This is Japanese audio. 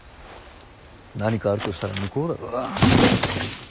何かあるとしたら向こうだろ。